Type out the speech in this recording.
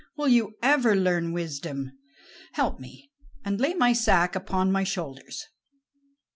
will you ever learn wisdom? Help me, and lay my sack upon my shoulders."